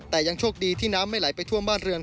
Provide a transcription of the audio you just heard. แต่ยังโชคดีที่น้ำไม่ไหลไปท่วมบ้านเรือน